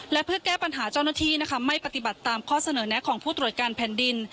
และเพื่อแก้ปัญหาเจ้าหน้าที่นะคะไม่ปฏิบัติตามข้อเสนอแนะของผู้ตรวจการแผ่นดิน